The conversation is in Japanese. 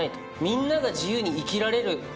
みんなが自由に生きられる。